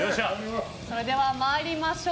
それでは参りましょう。